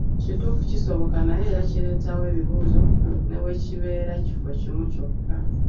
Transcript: Kituufu kisoboka naye era kireetawo ebibuuzo ne bwe kibeera kifo kimu kyokka.